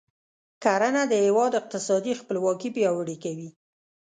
کرنه د هیواد اقتصادي خپلواکي پیاوړې کوي.